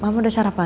mama udah sarapan